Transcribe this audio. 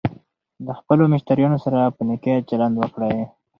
د خپلو مشتریانو سره په نېکۍ چلند وکړئ.